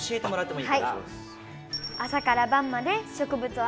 はい。